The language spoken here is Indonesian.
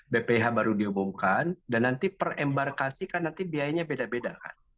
bpih baru diumumkan dan nanti perembarkasikan nanti biayanya beda beda kan